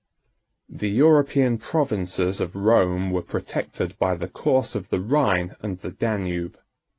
] The European provinces of Rome were protected by the course of the Rhine and the Danube.